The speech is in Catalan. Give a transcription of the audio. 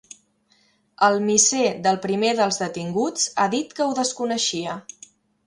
El misser del primer dels detinguts ha dit que ho desconeixia.